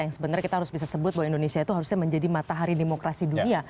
yang sebenarnya kita harus bisa sebut bahwa indonesia itu harusnya menjadi matahari demokrasi dunia